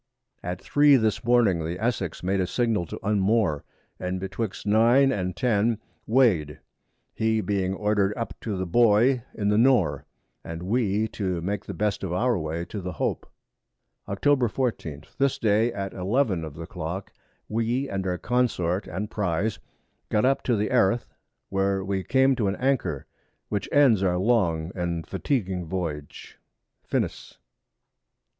At 3 this Morning the Essex made a Signal to unmoar, and betwixt 9 and 10 weigh'd, he being order'd up to the Buoy in the Noar, and we to make the best of our Way to the Hope. Octob. 14. This Day at 11 of the Clock, we and our Consort and Prize got up to Eriff [Erith], where we came to an Anchor, which ends our long and fatiguing Voyage. _FINIS.